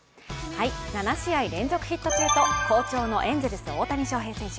７試合連続ヒット中と好調のエンゼルス・大谷翔平選手。